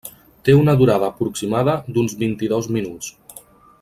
Té una durada aproximada d'uns vint-i-dos minuts.